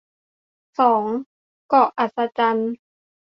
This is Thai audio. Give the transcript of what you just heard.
สอง เกาะอัศจรรย์